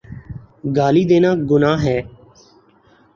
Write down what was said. گالی دینا گناہ ہے۔